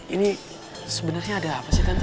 ini sebenarnya ada apa sih tante